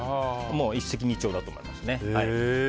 一石二鳥だと思いますね。